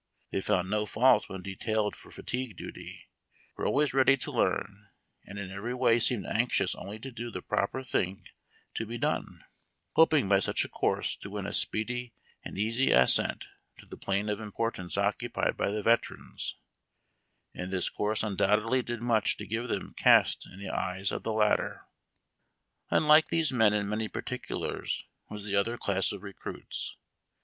They found no fault when detailed for fatigue duty, were always ready to learn, and in every way seemed anxious only to do the proper thing to be done, hoping by such a course to win a speedy and easy ascent to the plane of importance occupied by the veterans ; and this course undoubtedly did much to give them caste in the eyes of the latter. Unlike these men in many particulars was the other class of recruits.